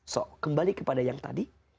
so kembali kepada yang tadi